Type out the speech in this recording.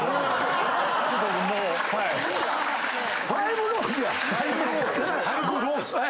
ファイブローズ？